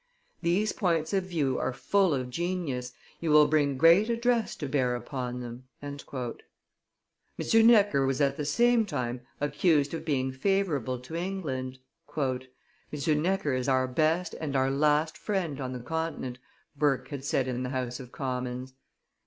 These points of view are full of genius, you will bring great address to bear upon them." M. Necker was at the same time accused of being favorable to England. "M. Necker is our best and our last friend on the Continent," Burke had said in the House of Commons.